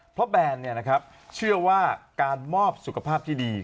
เพราะแบนเชื่อว่าการมอบสุขภาพที่ดี